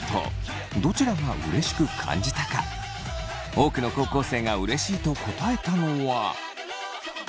多くの高校生がうれしいと答えたのは。